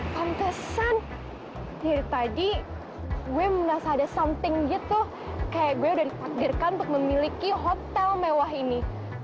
pantesan dari tadi gue merasa ada something gitu kayak gue udah dipaktirkan untuk memiliki hotel mewah ini